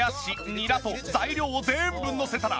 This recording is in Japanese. ニラと材料を全部のせたら。